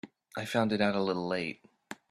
I found it out a little late.